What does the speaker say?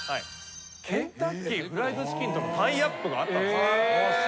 ケンタッキー・フライド・チキンとのタイアップがあったんですよ。